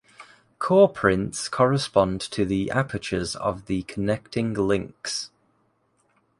Core-prints correspond to the apertures of the connecting links.